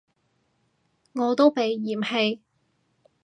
我都被嫌棄